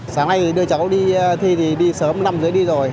sáng nay đứa cháu đi thi thì đi sớm năm giờ đi rồi